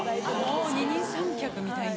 もう二人三脚みたいな。